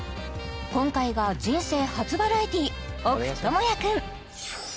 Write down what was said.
今回が人生初バラエティ奥智哉君